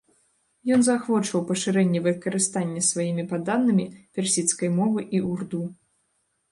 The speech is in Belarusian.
Ён заахвочваў пашырэнне выкарыстання сваімі падданымі персідскай мовы і урду.